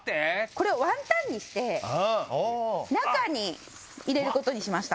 これワンタンにして中に入れることにしました